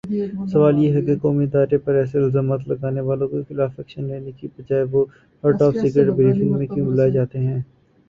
سوال یہ ہےکہ قومی ادارے پر ایسےالزامات لگانے والوں کے خلاف ایکشن لینے کی بجائے وہ ہر ٹاپ سیکرٹ بریفنگ میں کیوں بلائےجاتے ہیں